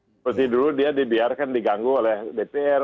seperti dulu dia dibiarkan diganggu oleh dpr